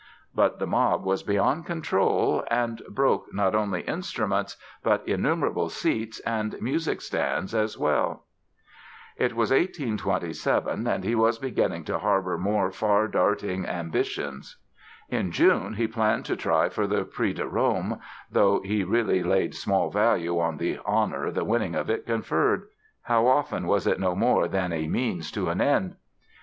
But the mob was beyond control and broke not only instruments but innumerable seats and music stands as well! It was 1827 and he was beginning to harbor more far darting ambitions. In June he planned to try for the Prix de Rome, though he really laid small value on the "honor" the winning of it conferred. How often was it no more than a means to an end!